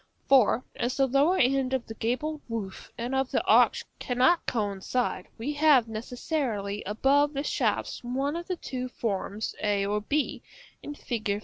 For, as the lower end of the gabled roof and of the arch cannot coincide, we have necessarily above the shafts one of the two forms a or b, in Fig.